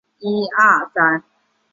县境分属鄞县和回浦县。